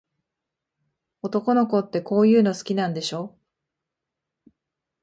男の子って、こういうの好きなんでしょ。